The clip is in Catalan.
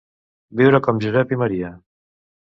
Viure com Josep i Maria.